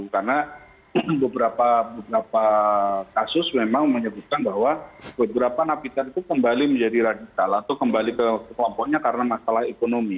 karena beberapa kasus memang menyebutkan bahwa beberapa napiter itu kembali menjadi radikal atau kembali ke kelompoknya karena masalah ekonomi